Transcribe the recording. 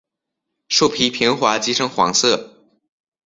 树皮平滑及呈黄色。